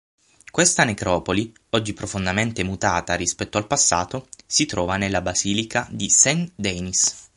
Questa necropoli, oggi profondamente mutata rispetto al passato, si trova nella basilica di Saint-Denis.